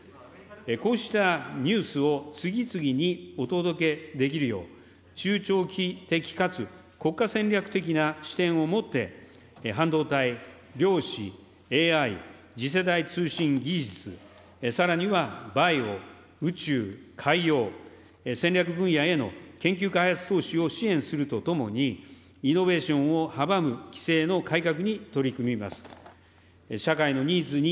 こうしたニュースを次々にお届けできるよう、中長期的かつ国家戦略的な視点を持って、半導体、量子、ＡＩ、次世代通信技術、さらにはバイオ、宇宙、海洋、戦略分野への研究開発投資を支援するとともに、イノベーションを阻む規制の改革に取り組みます。